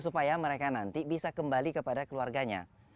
supaya mereka nanti bisa kembali kepada keluarganya